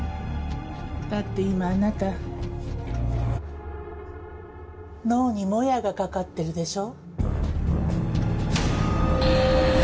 だって今あなた脳にモヤがかかってるでしょ？